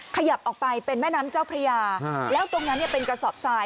ขยับออกไปเป็นแม่น้ำเจ้าพระยาแล้วตรงนั้นเนี่ยเป็นกระสอบทราย